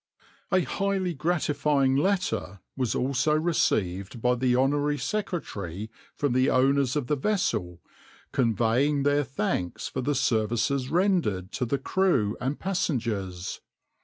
\par \vs {\noindent} A highly gratifying letter was also received by the Honorary Secretary from the owners of the vessel, conveying their thanks for the services rendered to the crew and passengers.